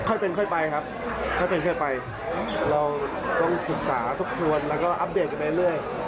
ค่อยเป็นค่อยไปครับค่อยเป็นค่อยไปเราต้องศึกษาทบทวนแล้วก็อัปเดตกันไปเรื่อย